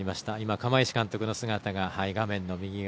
釜石監督の姿が画面の右側。